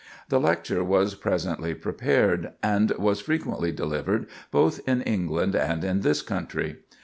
The lecture was presently prepared, and was frequently delivered, both in England and in this country.